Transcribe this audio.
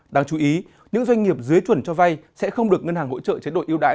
đáng chú ý những doanh nghiệp dưới chuẩn cho vay sẽ không được ngân hàng hỗ trợ chế độ ưu đãi